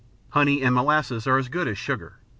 Honey and molasses are as good as sugar.